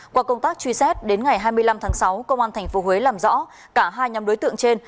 qua công tác truy xét đến ngày hai mươi năm tháng sáu công an tp huế làm rõ cả hai nhóm đối tượng trên